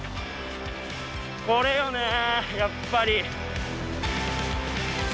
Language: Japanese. これよねやっぱり。